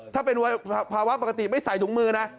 ถ้าเป็นภาวะปกติไม่ใส่หนูมือนะ